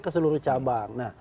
ke seluruh cabang